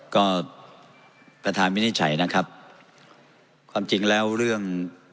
ก็ประธานวินิจฉัยนะครับความจริงแล้วเรื่อง